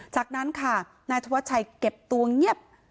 จากนั้นค่ะนายธวัชชัยเก็บตัวเงียบ